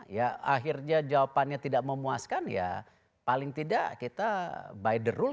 ya akhirnya jawabannya tidak memuaskan ya paling tidak kita by the rule